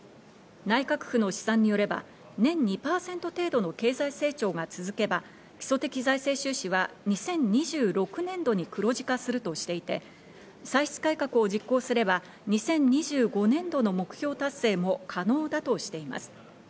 内閣府の試算によれば、年２％程度の経済成長が続けば、基礎的財政収支は２０２６年度に黒字化するとしていて、歳出改革を実施すれば２０２５年度の目標達成も可能だとしています。